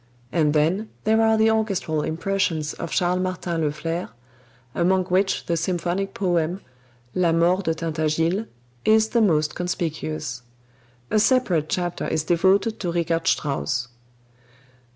And then, there are the orchestral impressions of Charles Martin Loeffler, among which the symphonic poem, "La Mort de Tintagiles," is the most conspicuous. A separate chapter is devoted to Richard Strauss.